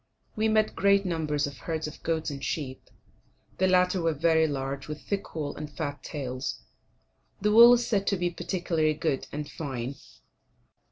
We met great numbers of herds of goats and sheep. The latter were very large, with thick wool and fat tails; the wool is said to be particularly good and fine.